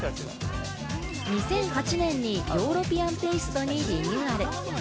２００８年にヨーロピアンテイストにリニューアル。